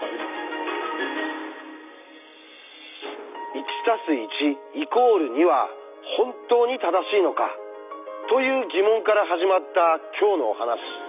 「１＋１＝２」は本当に正しいのかという疑問から始まった今日のお話。